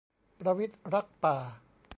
ประวิตรรักป่า